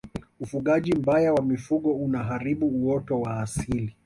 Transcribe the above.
ufugaji mbaya wa mifugo unaharibu uoto wa asili